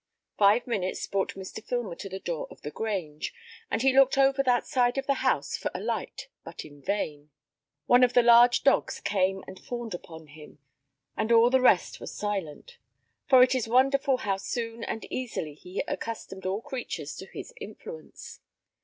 Five minutes brought Mr. Filmer to the door of the Grange, and he looked over that side of the house for a light, but in vain. One of the large dogs came and fawned upon him, and all the rest were silent; for it is wonderful how soon and easily he accustomed all creatures to his influence.